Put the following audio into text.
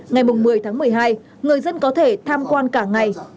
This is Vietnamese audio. ngày một mươi tháng một mươi hai người dân có thể tham quan cả ngày